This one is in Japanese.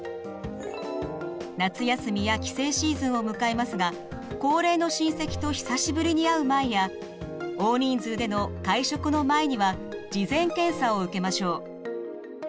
夏休みや帰省シーズンを迎えますが高齢の親戚と久しぶりに会う前や大人数での会食の前には事前検査を受けましょう。